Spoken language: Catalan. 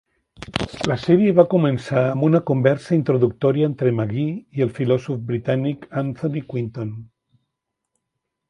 La sèrie va començar amb una conversa introductòria entre Magee i el filòsof britànic Anthony Quinton.